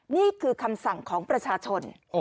นี่คือคำสั่งของประชาชน